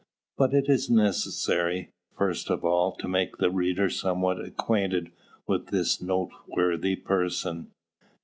But it is necessary, first of all, to make the reader somewhat acquainted with this noteworthy person.